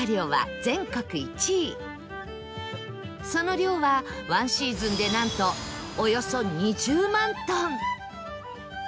その量は１シーズンでなんとおよそ２０万トン